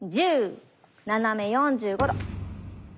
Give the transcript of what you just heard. １０斜め４５度。